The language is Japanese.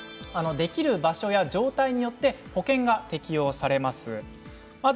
できる場所や状態によって保険が適用されます。